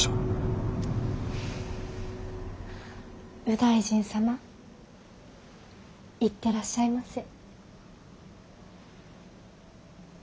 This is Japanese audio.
右大臣様行ってらっしゃいませ。